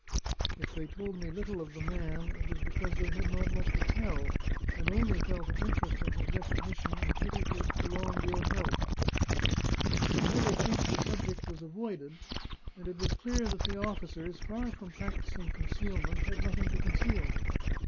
If they told me little of the man, it was because they had not much to tell, and only felt an interest in his recognition and pity for his prolonged ill health. I could never think the subject was avoided; and it was clear that the officers, far from practising concealment, had nothing to conceal.